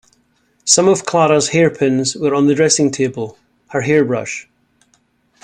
Some of Clara’s hair-pins were on the dressing-table — her hair-brush.